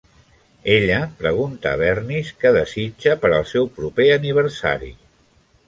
Ella pregunta a Bernice què desitja per al seu proper aniversari.